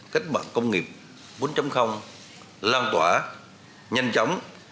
kết mạng công nghiệp bốn lan tỏa nhanh chóng